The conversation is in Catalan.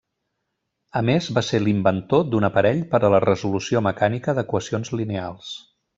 A més va ser l'inventor d'un aparell per a la resolució mecànica d'equacions lineals.